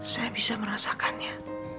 saya bisa merasakannya